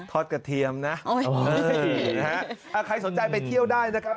กระเทียมนะใครสนใจไปเที่ยวได้นะครับ